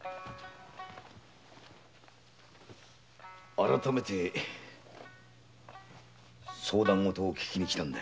改めて相談事を聞きに来たんだ。